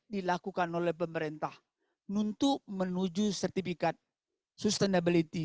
dilakukan oleh pemerintah untuk menuju sertifikat sustainability